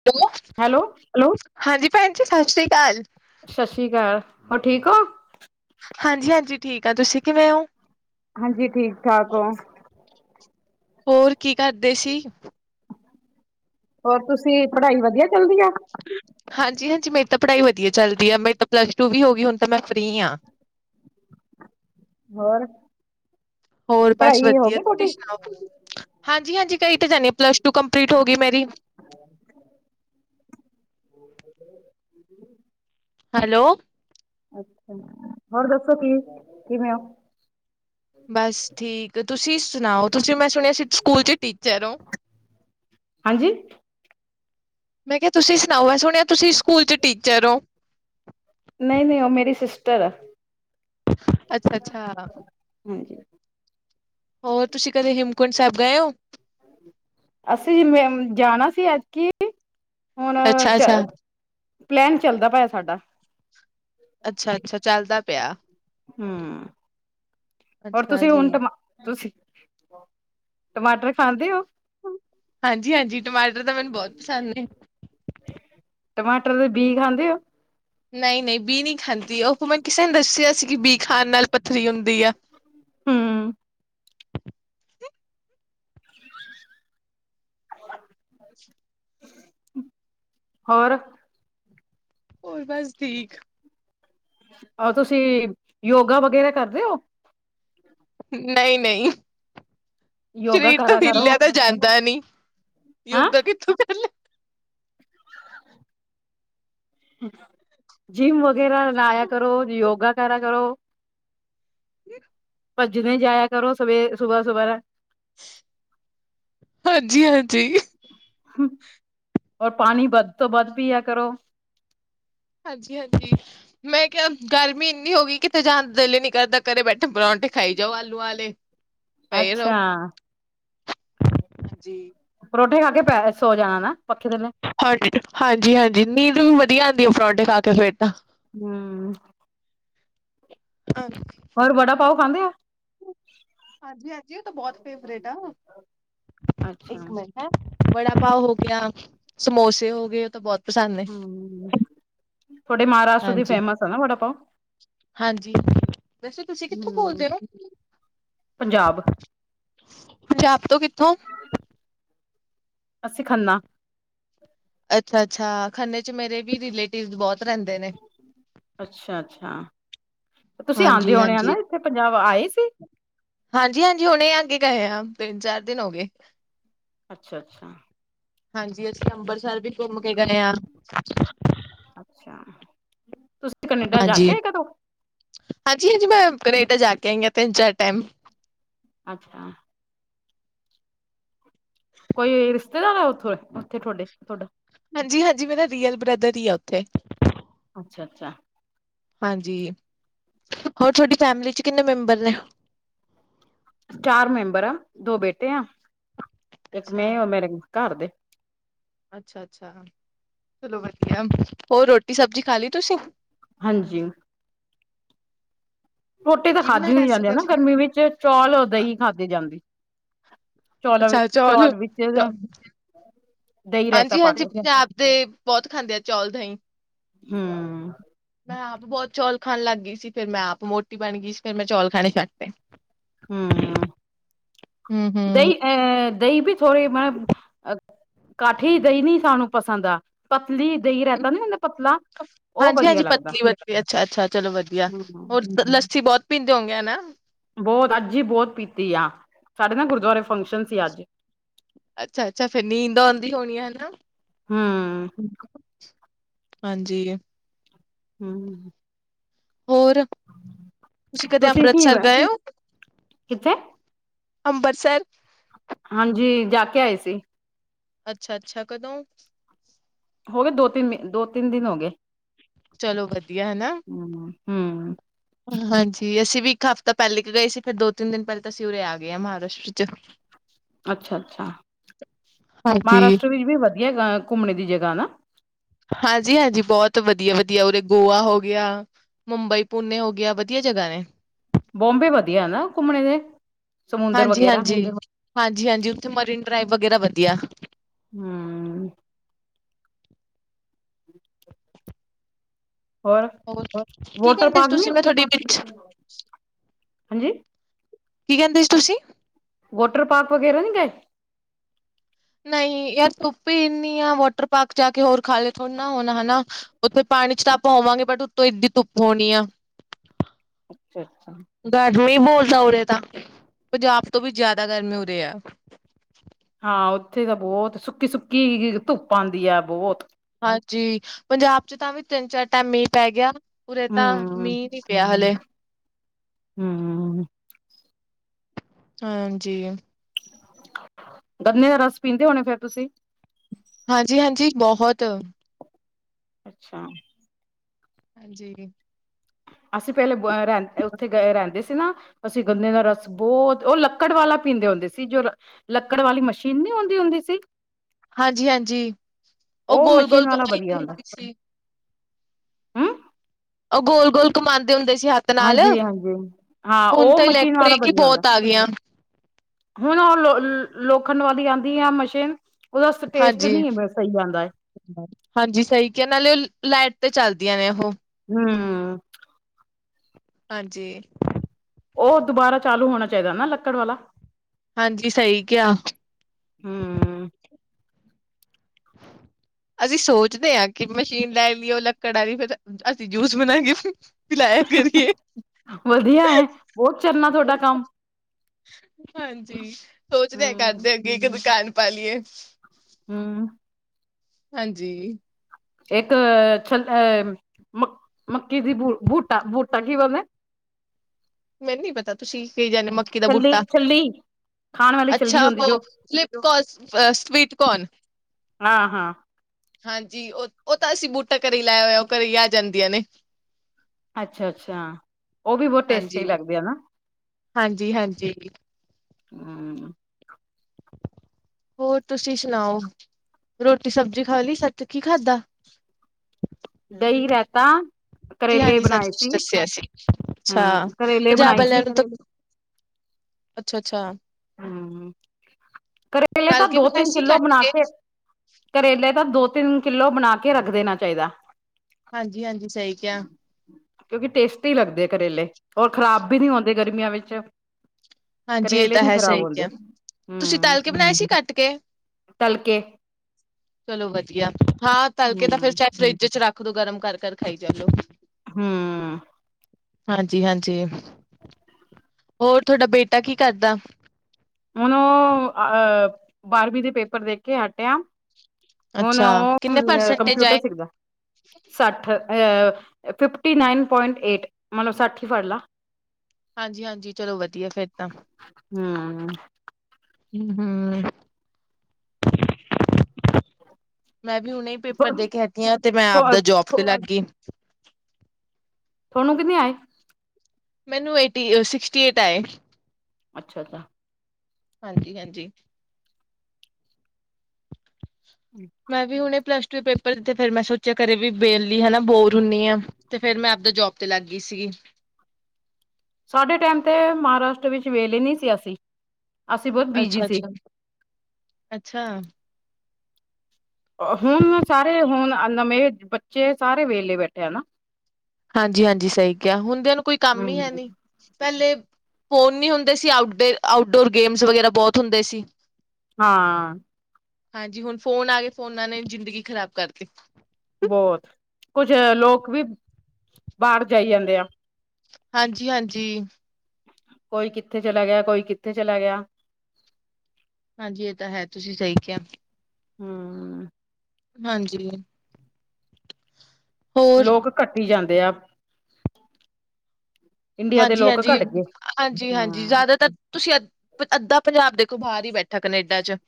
ਲੋ hello. Hello, ਹਾਂਜੀ ਭੈਨ ਜੀ, ਸਸ਼੍ਰੀ ਕਾਲ। ਸ਼ਸ਼੍ਰੀ ਕਾਲ, ਹੋਰ ਠੀਕ ਹੋਂ? ਹਾਂਜੀ- ਹਾਂਜੀ ਠੀਕ ਆ। ਤੁਸੀਂ ਕਿਵੇਂ ਓ? ਹਾਂਜੀ ਠੀਕ ਠਾਕ ਓ। ਹੋਰ ਕੀ ਕਰਦੇ ਸੀ। ਹੋਰ ਤੁਸੀਂ ਪੜ੍ਹਾਈ ਵਧੀਆ ਚੱਲਦੀ ਆ। ਹਾਂਜੀ ਹਾਂਜੀ ਮੇਰੀ ਤਾਂ ਪੜ੍ਹਾਈ ਵਧੀਆ ਚੱਲਦੀ ਆ। ਮੇਰੀ ਤਾਂ ਪਲੱਸ ਟੂ ਵੀ ਹੋ ਗਈ ਹੁਣ ਤਾਂ ਮੈਂ ਫ੍ਰੀ ਆਂ। ਹੋਰ ਹੋਰ ਬਸ ਪੜ੍ਹਾਈ ਹੋ ਵਧੀਆ। ਗਈ ਤੁਸੀਂ ਤੁਹਾਡੀ ਸੁਣਾਓ ਹਾਂਜੀ ਹਾਂਜੀ ਕ‌ਈ ਤਾਂ ਜਾਣੀ ਪਲੱਸ ਟੂ ਕੰਪਲੀਟ ਹੋ ਗਈ ਮੇਰੀ। ਹੈਲੋ ਹੋਰ ਦੱਸੋ- ਕੀ ਕਿਵੇਂ ਓ। ਬਸ ਠੀਕ, ਤੁਸੀਂ ਸੁਣਾਓ ਤੁਸੀਂ ਮੈਂ ਸੁਣਿਆ ਸੀ ਸਕੂਲ 'ਚ ਟੀਚਰ ਓ। ਹਾਂਜੀ ਮੈਂ ਕੇਆ ਤੁਸੀਂ ਸੁਣਾਓ, ਮੈਂ ਸੁਣਿਆ ਤੁਸੀਂ ਸਕੂਲ 'ਚ ਟੀਚਰ ਓ। ਨਈ, ਨਈ ਓ ਮੇਰੀ ਸਿਸਟਰ ਆ। ਅੱਛਾ- ਅੱਛਾ। ਹਾਂਜੀ। ਹੋਰ ਤੁਸੀਂ ਕਦੇ ਹੇਮਕੁੰਟ ਸਾਏਬ ਗਏ ਓ? ਅਸੀਂ, ਮੈ ਜਾਣਾ ਸੀ ਐਤਕੀਂ। ਹੁਣ ਅੱਛਾ 'ਚ ਅੱਛਾ। ਪਲੈਨ ਚੱਲਦਾ ਪਿਆ ਸਾਡਾ। ਅੱਛਾ -ਅੱਛਾ ਚੱਲਦਾ ਪਿਆ। ਹੂੰ--ਹੋਰ ਅੱਛਾ ਤੁਸੀਂ ਜੀ ਹੁਣ ਟਮਾ ਤੁਸੀਂ -ਟਮਾਟਰ ਖਾਂਦੇ ਓ? ਹਾਂਜੀ -ਹਾਂਜੀ ਟਮਾਟਰ ਤਾਂ ਮੈਨੂੰ ਬੋਤ ਪਸੰਦ ਨੇ। ਟਮਾਟਰ ਦੇ ਬੀ ਖਾਂਦੇ ਓ? ਨਈ -ਨ‌ਈ ਬੀ ਨੀ ਖਾਂਦੀ, ਓ ਕੂ ਮੈ ਕਿਸੇ ਨੇ ਦੱਸਿਆ ਸੀ ਕੀ, ਬੀ ਖਾਣ ਨਾਲ ਪਥਰੀ ਹੁੰਦੀ ਆ। ਹੂੰ ਹੋਰ ਹੋਰ ਬਸ ਠੀਕ। ਓ ਤੁਸੀਂ ਯੋਗਾ ਵਗੈਰਾ ਕਰਦੇ ਓ। ਨਈ -ਨਈ ਯੋਗਾ ਸਰੀਰ ਤੋਂ ਕਰਾ ਹਿਲੇਆ ਕਰੋ ਤਾਂ ਜਾਂਦਾ ਨੀ। ਯੋਗਾ ਕਿਥੋਂ ਕਰ ਲਿਆ ਜਿਮ ਵਗੈਰਾ ਲਾਇਆ ਕਰੋ, ਯੋਗਾ ਕਰਾ ਕਰੋ। ਭੱਜਦੇ ਜਾਏਆ ਕਰੋ ਸਵੇਰ ਸੁਬਾ ਸਵੇਰੇ। ਹਾਂਜੀ -ਹਾਂਜੀ। ਹੁ, ਔਰ ਪਾਣੀ ਵੱਧ ਤੋਂ ਵੱਧ ਪੀਆ ਕਰੋ। ਹਾਂਜੀ -ਹਾਂਜੀ ਮੈਂ ਕੇਆ ਗਰਮੀ ਏਨੀ ਹੋਗੀ, ਕਿਤੇ ਜਾਣ ਨੂੰ ਦਿਲ ਈ ਨੀ ਕਰਦਾ। ਘਰੇ ਬੈਠੇ ਪਰੌਂਠੇ ਖਾਈ ਜਾਓ ਆਲੂਆਂ ਆਲੇ। ਪਏ ਰਹੋ। ਅੱਛਾ ਹਾਂਜੀ। ਪਰੋਠੇ ਖਾ ਕੇ ਪੈ ਸੋ ਜਾਣਾ ਨਾ ਪੱਖੇ ਥੱਲੇ। ਹਾਂਜੀ- ਹਾਂਜੀ, ਹਾਂਜੀ ਨੀਂਦ ਵੀ ਵੱਧੀਆ ਆਂਦੀ ਆ, ਪਰੋਂਡੇ ਖਾ ਕੇ ਫੇਰ ਤਾਂ। ਹੂੰ ਹਾਂਜੀ। ਔਰ ਵੜਾ ਪਾਓ ਖਾਂਦੇ ਓ। ਹਾਂਜੀ -ਹਾਂਜੀ ਓ ਤਾਂ ਬੋਤ ਫੇਵਰੇਟ ਆ, ਅੱਛਾ ਇੱਕ ਮਿੰਟ- ਹਾ ਵੜਾ-ਪਾਓ ਹੋ ਗੇਆ, ਸਮੋਸੇ ਹੋ ਗਏ, ਓ ਤਾਂ ਬੋਤ ਹਾਂ ਤੋਡੇ ਮਹਾਰਾਸ਼ਟਰ ਦੀ ਹਾਂਜੀ, ਫੇਮਸ ਆ ਨਾ-ਵੜਾ ਪਾਓ? ਹਾਂਜੀ, ਵੈਸੇ ਤੁਸੀਂ ਕਿੱਥੋਂ ਹੂੰ ਬੋਲਦੇ ਓ? ਪੰਜਾਬ ਪੰਜਾਬ ਤੋਂ ਕਿੱਥੋਂ? ਅਸੀਂ ਖੰਨਾ ਅੱਛਾ-ਅੱਛਾ ਖੰਨੇ ਚ ਮੇਰੇ ਵੀ ਰੀਲੇਟੀਵਜ ਬਹੁਤ ਰਹਿੰਦੇ ਨੇ। ਅੱਛਾ-ਅੱਛਾ, ਤੁਸੀਂ ਆਂਦੇ ਹਾਂਜੀ, ਹੋਣੇ ਆ ਨਾ ਏਥੇ ਪੰਜਾਬ ਆਏ ਸੀ? ਹਾਂਜੀ-ਹਾਂਜੀ, ਹੁਣੇ ‌ਈ ਆ ਕੇ ਗਏ ਆ। ਤਿੰਨ-ਚਾਰ ਦਿਨ ਹੋ ਗੇ। ਅੱਛਾ-ਅੱਛਾ। ਹਾਂਜੀ, ਅਸੀਂ ਅੰਬਰਸਰ ਵੀ ਘੁੰਮ ਕੇ ਗ‌ਏ ਆ। ਅੱਛਾ ਤੁਸ ਹਾਂਜੀ, ਹਾਂਜੀ-ਹਾਂਜੀ ਮੈਂ ਕਨੇਡਾ ਜਾ ਕੇ ਆਈ ਆ ਤਿੰਨ-ਚਾਰ ਟੈਮ। ਅੱਛਾ। ਕੋਈ ਰਿਸ਼ਤੇਦਾਰ ਐ ਓਥੋ ਓਥੇ ਥੋਡੇ, ਥੋਡਾ? ਹਾਂਜੀ-ਹਾਂਜੀ ਮੇਰਾ ਰੀਅਲ ਬ੍ਰਦਰ ਹੀ ਆ ਓਥੇ। ਅੱਛਾ-ਅੱਛਾ। ਹਾਂਜੀ, ਹੋਰ ਥੋਡੀ ਫੈਮਿਲੀ ਚ ਕਿੰਨੇ ਮੈਂਬਰ ਨੇ? ਚਾਰ ਮੈਂਬਰ ਆ ਦੋ ਬੇਟੇ ਆ, ਇੱਕ ਮੈਂ ਅੱਛਾ, ਹੋਰ ਮੇਰੇ ਘਰ ਦੇ। ਅੱਛਾ-ਅੱਛਾ। ਚਲੋ ਵਧੀਆ, ਹੋਰ ਰੋਟੀ ਸਬਜ਼ੀ ਖਾ ਲਈ ਤੁਸੀਂ? ਹਾਂਜੀ। ਰੋਟੀ ਤਾਂ ਕੀ ਖਾਦੀ ਬਣਾਇਆ ਨੀ ਸੀ? ਜਾਂਦੀ ਆ ਨਾ ਗਰਮੀ ਵਿੱਚ ਚੌਲ ਔਰ ਦਹੀਂ ਖਾਦੀ ਜਾਂਦੀ। ਚੌਲਾਂ ਵਿੱਚ ਅੱਛਾ ਚੋਲ, ਚੌਲ ਵਿੱਚ ਚੋ- ਦਹੀਂ ਰਾਇਤਾ ਪਾ ਹਾਂਜੀ-ਹਾਂਜੀ ਕੇ ਪੰਜਾਬ ਦੇ ਬਹੁਤ ਖਾਦੇ ਆ ਚੌਲ-ਦਹੀਂ। ਹੂੰ। ਮੈਂ ਆਪ ਬਹੁਤ ਚੌਲ ਖਾਣ ਲੱਗ ਗਈ ਸੀ ਫੇਰ ਮੈਂ ਆਪ ਮੋਟੀ ਬਣ ਗਈ ਸੀ ਫੇਰ ਮੈਂ ਚੌਲ ਖਾਣੇ ਛੱਡ ਤੇ। ਹੂੰ, ਹੂੰ-ਹੂੰ। ਦਈ- ਅਹ ਦਹੀਂ ਵੀ ਥੋੜੀ ਮਤਲਬ ਅ ਕਾਠੀ ਦਹੀਂ ਨੀ ਸਾਨੂੰ ਪਸੰਦ ਆ। ਪਤਲੀ ਦਹੀਂ ਰਾਇਤਾ ਨੀ ਹੁੰਦਾ ਪਤਲਾ। ਉਹ ਹਾਂਜੀ-ਹਾਂਜੀ ਵਧੀਆ ਲੱਗਦਾ ਪਤਲੀ ਵਧੀਆ ਅੱਛਾ-ਅੱਛਾ ਚਲੋ ਵਧੀਆ ਹੂੰ ਹੋਰ ਲੱਸੀ ਬਹੁਤ ਪੀਂਦੇ ਹੋਓਗੇ, ਹਨਾ। ਬਹੁਤ ਅੱਜ ਹੀ ਬਹੁਤ ਪੀਤੀ ਆ, ਸਾਡੇ ਨਾ ਗੁਰਦੁਆਰੇ ਫੰਕਸ਼ਨ ਸੀ ਅੱਜ। ਅੱਛਾ-ਅੱਛਾ ਫੇਰ ਨੀਂਦ ਆਉਂਦੀ ਹੋਣੀ ਆ, ਹਨਾ। ਹੂੰ ਹਾਂਜੀ। ਹੂੰ। ਹੋਰ, ਤੁਸੀਂ ਕਦੇ ਤੁਸੀਂ ਕੀ ਅੰਮ੍ਰਿਤਸਰ ਗਏ ਓ? ਕਿੱਥੇ ਅੰਬਰਸਰ ਹਾਂਜੀ ਜਾ ਕੇ ਆਏ ਸੀ। ਅੱਛਾ-ਅੱਛਾ, ਕਦੋਂ? ਹੋ ਗੇ ਦੋ-ਤਿੰਨ ਮੀ ਦੋ-ਤਿੰਨ ਦਿਨ ਹੋ ਗੇ। ਚਲੋ ਵਧੀਆ, ਹੈਨਾ? ਹੂੰ ਹੂੰ ਹਾਂਜੀ ਅਸੀਂ ਵੀ ਇੱਕ ਹਫ਼ਤਾ ਪਹਿਲੇ ਕੇ ਗਏ ਸੀ ਫੇਰ ਦੋ-ਤਿੰਨ ਦਿਨ ਪਹਿਲੇ ਤਾਂ ਅਸੀਂ ਓਰੇ ਆ ਗਏ ਆ ਮਹਾਰਾਸ਼ਟਰ ਚ। [inaudible] ਅੱਛਾ-ਅੱਛਾ, ਹਾਂਜੀ। ਮਹਾਰਾਸ਼ਟਰ ਵਿੱਚ ਵੀ ਵਧੀਆ ਘੁੰਮਣੇ ਦੀ ਜਗਾ ਨਾ? ਹਾਂਜੀ-ਹਾਂਜੀ ਬਹੁਤ ਵਧੀਆ-ਵਧੀਆ ਓਰੇ ਗੋਆ ਹੋ ਗਿਆ। ਮੁੰਬਈ, ਪੂਨੇ ਹੋ ਗਿਆ ਵਧੀਆ ਜਗ੍ਹਾ ਨੇ। ਬੋਮਬੇ ਵਧੀਐ ਨਾ ਘੁੰਮਣੇ ਦੇ ਸਮੁੰਦਰ ਵਗੈਰਾ ਹਾਂਜੀ-ਹਾਂਜੀ, ਹਾਂਜੀ-ਹਾਂਜੀ ਓਥੇ ਮਰੀਨ ਡਰਾਈਵ ਵਗੈਰਾ ਵਧੀਆ। ਹੂੰ। ਹਮ। ਹੋਰ, ਕੀ ਵੋਟਰ ਕਹਿੰਦੇ ਪਾਰਕ ਨੀ ਤੁਸੀਂ ਮੈਂ ਥੋਡੀ ਬੀਚ ਹਾਂਜੀ ਕੀ ਕਹਿੰਦੇ ਸੀ ਤੁਸੀ? ਵੋਟਰ ਪਾਰਕ ਵਗੈਰਾ ਨੀ ਗਏ? ਨਹੀਂ, ਯਾਰ ਧੁੱਪ ਹੀ ਇੰਨੀ ਆ, ਵਾਟਰ ਪਾਰਕ ਜਾਕੇ ਹੋਰ ਖਾਲੇ ਥੋੜੇ ਨਾ ਹੋਣਾ, ਹਨਾ। ਉੱਥੇ ਪਾਣੀ'ਚ ਤਾਂ ਆਪਾਂ ਹੋਵਾਂਗੇ, ਬਟ ਉਤੋ ਏਡੀ ਧੁੱਪ ਹੋਣੀ ਆ। ਅੱਛਾ-ਅੱਛਾ। ਗਰਮੀ ਬਹੁਤ ਆ ਉਰੇ ਤਾਂ, ਪੰਜਾਬ ਤੋਂ ਵੀ ਜ਼ਿਆਦਾ ਗਰਮੀ ਉਰੇ ਆ। ਹਾਂ, ਉੱਥੇ ਤਾਂ ਬਹੁਤ, ਸੁੱਕੀ-ਸੁੱਕੀ ਜੀ ਧੁੱਪ ਆਂਦੀ ਆ, ਬਹੁਤ। ਹਾਂਜੀ। ਪੰਜਾਬ'ਚ ਤਾਂ ਵੀ ਤਿੰਨ-ਚਾਰ ਟਾਈਮ ਮੀਂਹ ਪੈ ਗਿਆ, ਉਰੇ ਤਾਂ, ਹੂੰ ਮੀਂਹ ਨਹੀਂ ਪਿਆ ਹਲੇ। ਹੂੰ। ਹਾਂਜੀ। ਗੰਨੇ ਦਾ ਰਸ ਪੀਂਦੇ ਹੋਣੇ, ਫਿਰ ਤੁਸੀ? ਹਾਂਜੀ-ਹਾਂਜੀ, ਬਹੁਤ। ਅੱਛਾ। ਹਾਂਜੀ। ਅਸੀਂ ਪਹਿਲੇ ਰਹਿੰ, ਉੱਥੇ ਰਹਿੰਦੇ ਸੀ ਨਾ ਅਸੀਂ ਗੰਨੇ ਦਾ ਰਸ ਬਹੁਤ, ਉਹ ਲੱਕੜ ਵਾਲਾ ਪੀਂਦੇ ਹੁੰਦੇ ਸੀ, ਜੋ ਲੱਕੜ ਵਾਲੀ ਮਸ਼ੀਨ ਨਹੀਂ ਹੰਦੀ, ਹੁੰਦੀ ਸੀ। ਹਾਂਜੀ-ਹਾਂਜੀ, ਉਹ ਗੋਲ-ਗੋਲ ਮਸ਼ੀਨ ਵਾਲਾ ਵਧੀਆ ਘਮਾਈ ਹੁੰ ਹੁੰਦਾ ਸੀ। ਹਮ ਉਹ ਗੋਲ-ਗੋਲ ਘੁੰਮਾਂਦੇ ਹੁੰਦੇ ਸੀ, ਹੱਥ ਨਾਲ, ਹਾਂਜੀ ਹਾਂਜੀ ਹਾਂ ਹੁਣ ਉਹ ਤੇ ਮਸ਼ੀਨ ਵਾਲਾ ਇਲੈਕਟ੍ਰਿਕ ਹੀ ਵਧੀਆ ਹੁੰਦਾ ਬਹੁਤ ਆਗੀਆਂ। ਹੁਣ, ਉਹ ਲੋ, ਲੋਖੰਡ ਵਾਲੀ ਆਂਦੀ ਆ ਮਸ਼ੀਨ, ਉਹਦਾ ਟੇਸਟ ਹਾਂਜੀ, ਨੀ ਹੈ ਸਹੀ ਆਂਦਾ। ਹਾਂਜੀ ਸਹੀ ਕਿਆ, ਨਾਲੇ ਉਹ, ਲਾਈਟ ਤੇ ਚਲਦੀਆਂ ਨੇ ਉਹ। ਹੂੰ। ਹਾਂਜੀ। ਉਹ ਦੁਬਾਰਾ ਚਾਲੂ ਹੋਣਾ ਚਾਹੀਦਾ ਨਾ ਲੱਕੜ ਵਾਲਾ। ਹਾਂਜੀ, ਸਹੀ ਕਿਆ। ਹਮ [inaudible] ਅਸੀਂ ਸੋਚਦੇ ਆਂ ਕਿ ਮਸ਼ੀਨ ਲੈਲੀਏ ਓ ਲੱਕੜ ਆਲੀ ਫਿਰ, ਅਸੀਂ ਜੂਸ ਬਣਾਕੇ ਪਿਲਾਇਆ ਕਰੀਏ। ਵਧੀਆ ਹੈ ਬਹੁਤ ਚਰਨਾ ਤੁਹਾਡਾ ਕੰਮ ਹਾਂਜੀ, ਸੋਚਦੇ ਆਂ, ਘਰ ਹਮ ਦੇ ਅੱਗੇ ਇੱਕ ਦੁਕਾਨ ਪਾਲੀਏ। ਹੂੰ। ਹਾਂਜੀ। ਇੱਕ, ਅ, ਮੱਕੀ ਦੀ ਬ ਭੁਟਾ, ਭੁਟਾ ਕੀ ਬੋਲਦੇ? ਮੈਨੂੰ ਨੀ ਪਤਾ ਤੁਸੀਂ ਕੀ ਕਹਿੰਦੇ, ਮੱਕੀ ਦਾ ਛੱਲੀ ਬੂਟਾ। ਛੱਲੀ ਖਾਣ ਵਾਲੀ ਅੱਛਾ ਛੱਲੀ ਹੁੰਦੀ ਓਹ, ਜੋ ਫਲਿਪਕੋਸ, ਸਵੀਟ ਕੋਨ। ਹਾ-ਹਾ। ਹਾਂਜੀ, ਉਹ ਉਹ ਤਾ ਅਸੀਂ ਬੂਟਾ ਘਰੇ ਈ ਲਾਇਆ ਹੋਇਆ, ਉਹ ਘਰੇ ਈ ਆ ਜਾਂਦੀਆਂ ਨੇ। ਅੱਛਾ-ਅੱਛਾ, ਉਹ ਵੀ ਬਹੁਤ ਟੇਸਟੀ ਲੱਗਦੇ ਆ ਨਾ। ਹਾਂਜੀ-ਹਾਂਜੀ। ਹੂੰ। ਹੋਰ ਤੁਸੀਂ ਸੁਣਾਓ, ਰੋਟੀ-ਸਬਜ਼ੀ ਖਾਲੀ, ਸੱਚ ਕੀ ਖਾਧਾ? ਦਹੀਂ ਰੈਤਾ ਜੀ, ਹਾਂਜੀ, ਸੱਚ ਤੁਸੀ ਦੱਸਿਆ ਸੀ, ਅੱਛਾ, ਹੂੰ ਕਰੇਲੇ ਪੰਜਾਬ ਬਣਾਈ ਵਾਲਿਆਂ ਸੀ ਨੂੰ ਤਾ ਅੱਛਾ-ਅੱਛਾ। ਹੂੰ ਕਰੇਲੇ ਤਾਂ ਦੋ ਤਿੰਨ ਕਿੱਲੋ ਬਨਾ ਕੇ ਕਰੇਲੇ ਤਾਂ ਦੋ ਤਿੰਨ ਕਿੱਲੋ ਬਨਾ ਕੇ ਰੱਖ ਦੇਨਾ ਚਾਈਦਾ। ਹਾਂਜੀ-ਹਾਂਜੀ ਸਈ ਕਿਆ। ਕਿਓਂਕਿ ਟੇਸਟੀ ਲੱਗਦੇ ਆ ਕਰੇਲੇ ਔਰ ਖਰਾਬ ਵੀ ਨੀ ਹੁੰਦੇ ਗਰਮੀਆਂ ਵਿੱਚ। ਹਾਂਜੀ ਇਹ ਕਰੇਲੇ ਤਾਂ ਨੀ ਹੈ ਖ਼ਰਾਬ ਸਹੀ ਹੁੰਦੇ ਕਿਹਾ ਤੁਸੀਂ ਹੂੰ, ਤਲ ਕੇ ਬਣਾਏ ਸੀ ਕੱਟ ਕੇ ਤਲਕੇ ਚਲੋ ਵਦੀਆ ਹਾਂ ਤਲਕੇ ਤਾਂ ਫੇਰ ਹੂੰ ਚਾਏ ਫਰਿੱਜ ਚ ਰੱਖ ਦੋ ਗਰਮ ਕਰ-ਕਰ ਖਾਈ ਚਲੋ। ਹੂੰ। ਹਾਂਜੀ-ਹਾਂਜੀ। ਹੋਰ ਥੋਡਾ ਬੇਟਾ ਕੀ ਕਰਦਾ। ਹੁਨ ਓ ਅ ਬਾਰਵੀਂ ਦੇ ਪੇਪਰ ਦੇ ਕੇ ਹੱਟੇਆ। ਹੁਨ ਅੱਛਾ, ਓ ਕਿੰਨੇ ਪਰਸੈਂਟੇਜ ਕੰਪਿਊਟਰ ਆਏ? ਸਿੱਖਦਾ। ਸੱਠ ਫਿਫਟੀ ਨਾਈਨ ਪੋਇੰਟ ਏਟ ਮਤਲਬ ਸੱਠ ਈ ਫੜਲਾ। ਹਾਂਜੀ-ਹਾਂਜੀ ਚਲੋ ਵਦੀਆ ਫੇਰ ਤਾਂ। ਹੂੰ। ਹੂੰ-ਹੂੰ, ਮੈਂ ਵੀ ਹੁਨੇ ਪੇਪਰ ਦੇ ਕੇ ਹਟੀ ਆਂ ਤੇ ਮੈਂ ਆਪਦਾ ਜੋਬ ਤੇ ਤੁਹਾਨੂੰ ਲਾਗੀ। ਥੋਨੂੰ ਕਿੰਨੇ ਆਏ? ਮੈਨੂੰ ਏਟੀ ਸਿਕਸਟੀ ਏਟ ਆਏ। ਅੱਛਾ-ਅੱਛਾ। ਹਾਂਜੀ-ਹਾਂਜੀ। ਹੂੰ। ਮੈਂ ਵੀ ਹੁਨੇ ਪਲੱਸ ਟੂ ਦੇ ਪੇਪਰ ਦਿੱਤੇ ਫੇਰ ਮੈਂ ਸੋਚੇਆ ਘਰੇ ਵੀ ਵੇਲੀ ਹਨਾ ਬੋਰ ਹੁੰਨੀ ਆਂ ਤੇ ਫੇਰ ਮੈਂ ਆਪਦਾ ਜੋਬ ਤੇ ਲਾਗੀ ਸੀਗੀ। ਸਾਡੇ ਟੈਮ ਤੇ ਮਹਾਰਾਸ਼ਟਰ ਵਿੱਚ ਵੇਲੇ ਨਈਂ ਸੀ ਅਸੀਂ। ਅਸੀਂ ਬਹੁਤ ਬਿਜੀ ਸੀ ਅੱਛਾ-ਅੱਛਾ-ਅੱਛਾ। ਹੁਨ ਸਾਰੇ ਹਨਣ ਨਵੇਂ ਬੱਚੇ ਸਾਰੇ ਵੇਲੇ ਬੈਠੇ ਆ ਨਾ। ਹਾਂਜੀ-ਹਾਂਜੀ ਸਈ ਕਿਆ ਹੁਨਦਿਆਂ ਨੂੰ ਕੋਈ ਕੰਮ ਈ ਹੂੰ ਹੈਨੀ ਪੈਲੇ ਫੋਨ ਨੀ ਹੁੰਦੇ ਸੀ ਆਊਟ ਆਊਟਡੋਰ ਗੇਮਸ ਵਗੈਰਾ ਬੋਤ ਹੁੰਦੇ ਸੀ। ਹਾਂ। ਹਾਂਜੀ ਹੁਨ ਫੋਨ ਆਗੇ ਫੋਨਾਂ ਨੇ ਜ਼ਿੰਦਗੀ ਖ਼ਰਾਬ ਕਰਤੀ। ਬੋਤ ਕੁੱਝ ਲੋਕ ਵੀ ਬਾਰ ਜਾਈ ਜਾਂਦੇ ਆ। ਹਾਂਜੀ-ਹਾਂਜੀ। ਕੋਈ ਕਿੱਥੇ ਚਲਾ ਗੇਆ ਕੋਈ ਕਿੱਥੇ ਚਲਾ ਗੇਆ। ਹਾਂਜੀ ਏ ਤਾਂ ਹੈ ਤੁਸੀਂ ਸਈ ਕਿਆ। ਹੂੰ। ਹਾਂਜੀ। ਹੋਰ ਲੋਕ ਘੱਟੀ ਜਾਂਦੇ ਆ। ਇੰਡੀਆ ਦੇ ਲੋਕ ਘੱਟ ਗਏ ਹਾਂਜੀ-ਹਾਂਜੀ-ਹਾਂਜੀ-ਹਾਂਜੀ ਹੂੰ ਜਾਦਾਤਰ ਤੁਸੀਂ ਅੱ ਅੱਦਾ ਪੰਜਾਬ ਦੇਖੋ ਬਾਰ ਈ ਬੈਠਾ ਕਨੇਡਾ ਚ।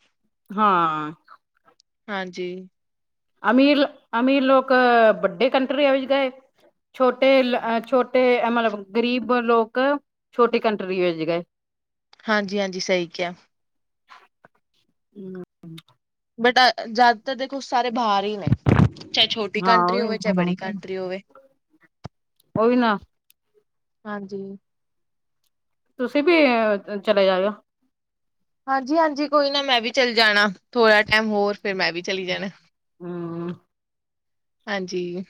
ਹਾਂ। ਹਾਂਜੀ। ਅਮੀਰ-ਅਮੀਰ ਲੋਕ ਵੱਡੇ ਕੰਟਰੀਆਂ ਵਿੱਚ ਗਏ। ਛੋਟੇ-ਛੋਟੇ ਮਤਲਬ ਗਰੀਬ ਲੋਕ ਛੋਟੀ ਕੰਟਰੀ ਵਿੱਚ ਗਏ। ਹਾਂਜੀ -ਹਾਂਜੀ ਸਹੀ ਕਿਹਾ। ਹਮ। ਬਟ ਜ਼ਿਆਦਾਤਰ ਦੇਖੋ, ਸਾਰੇ ਬਾਹਰ ਹੀ ਨੇ। ਚਾਹੇ ਛੋਟੀ ਹਾਂ ਕੰਟਰੀ ਉਹੀ ਹੋਵੇ, ਚਾਹੇ ਬੜੀ ਕੰਟਰੀ ਹੋਵੇ। ਉਹ ਵੀ ਨਾ। ਹਾਂਜੀ। ਤੁਸੀਂ ਵੀ, ਇਹ ਚਲੇ ਜਾਏ ਓ। ਹਾਂਜੀ -ਹਾਂਜੀ, ਕੋਈ ਨਾ ਮੈਂ ਵੀ ਚੱਲ ਜਾਣਾ ਥੋੜ੍ਹਾ ਟਾਈਮ ਹੋਰ ਫਿਰ ਮੈਂ ਵੀ ਚਲੀ ਜਾਣਾ। ਹਾਂ। ਹਾਂਜੀ।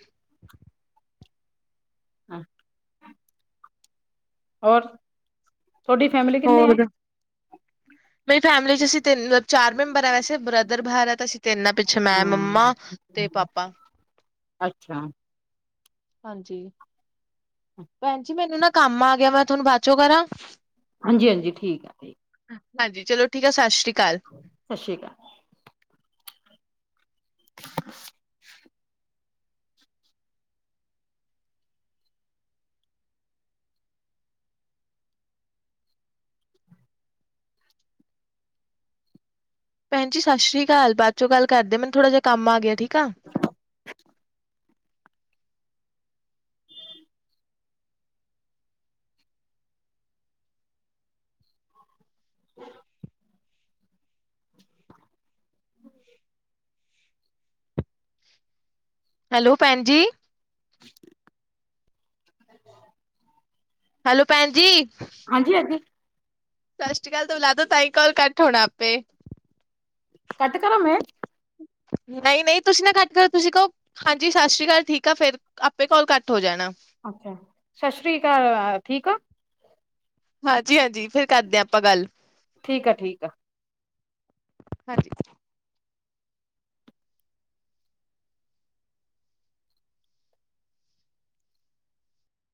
ਹਹ। ਔਰ, ਤੁਹਾਡੀ ਫੈਮਿਲੀ ਕਿੰਨੇ ਆ? ਹੋਰ ਮੇਰੀ ਫੈਮਿਲੀ ਚ, ਅਸੀਂ ਤਿੰਨ ਚਾਰ ਮੈਂਬਰ ਆ, ਵੈਸੇ ਬ੍ਰਦਰ ਬਾਹਰ ਹੈ, ਤਾਂ ਅਸੀਂ ਤਿੰਨ ਪਿੱਛੇ ਮੈਂ ਮੰਮਾ। ਹੂੰ ਤੇ ਪਾਪਾ। ਅੱਛਾ। ਹਾਂਜੀ। ਭੈਣ ਜੀ, ਮੈਨੂੰ ਨਾ ਕੰਮ ਆ ਗਿਆ, ਮੈਂ ਤੁਹਾਨੂੰ ਬਾਅਦ ਚੋ ਕਰਾਂ। ਹਾਂਜੀ -ਹਾਂਜੀ, ਠੀਕ ਆ ਠੀਕ। ਹਾਂਜੀ ਚਲੋ ਠੀਕ ਹੈ, ਸਤਿ ਸ਼੍ਰੀ ਅਕਾਲ। ਸਤਿ ਸ਼੍ਰੀ ਅਕਾਲ। ਭੈਣਜੀ, ਸਤਿ ਸ੍ਰੀ ਆਕਾਲ, ਥਾਦ ਚੋਂ ਗੱਲ ਕਰਦੇ, ਮੈਨੂੰ ਥੋੜਾ ਜਹਾ ਕੰਮ ਆ ਗਿਆ ਠੀਕ ਆ। ਹ। ਹੈਲੋ, ਭੈਣ ਜੀ। ਹੈਲੋ ਭੈਣ ਜੀ। ਹਾਂਜੀ- ਹਾਂਜੀ। ਫਸਟ ਕਾਲ ਤੋਂ ਲਾਦੋ, ਤਾਂ ਹੀ ਕਾਲ ਘੱਟ ਹੋਣਾ ਆਪੇ। ਕਟ ਕਰਾ ਮੈਂ। ਨਹੀਂ -ਨਹੀਂ, ਤੁਸੀਂ ਨਾ ਕਟ ਕਰੋ ਤੁਸੀਂ ਕਹੋ। ਹਾਂਜੀ, ਸਤਿ ਸ਼੍ਰੀ ਅਕਾਲ ਠੀਕ ਆ, ਫੇਰ ਆਪੇ ਕਾਲ ਕਟ ਹੋ ਜਾਣਾ। ਅੱਛਾ, ਸਤਿ ਸ੍ਰੀ ਅਕਾਲ ਠੀਕ ਹੋ? ਹਾਂਜੀ -ਹਾਂਜੀ, ਫਿਰ ਕਰਦੇ ਹਾਂ, ਆਪਾਂ ਗੱਲ ਠੀਕ ਆ, ਠੀਕ ਆ। ਹਾਂਜੀ।